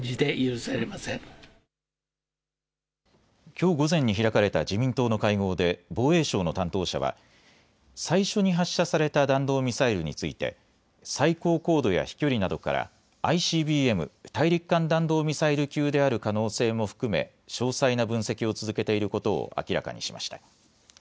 きょう午前に開かれた自民党の会合で防衛省の担当者は最初に発射された弾道ミサイルについて最高高度や飛距離などからＩＣＢＭ・大陸間弾道ミサイル級である可能性も含め詳細な分析を続けていることを明らかにしました。